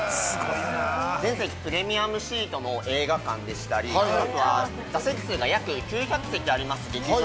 全席プレミアムシートの映画館でしたりあとは座席数が約９００席あります劇場。